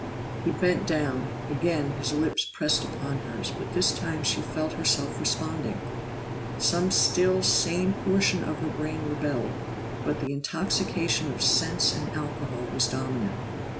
He bent down; again his lips pressed upon hers, but this time she felt herself responding. Some still sane portion of her brain rebelled, but the intoxication of sense and alcohol was dominant.